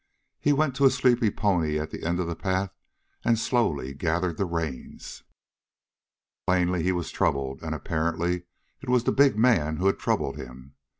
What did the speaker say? He went to a sleepy pony at the end of the path and slowly gathered the reins. Plainly he was troubled, and apparently it was the big man who had troubled him.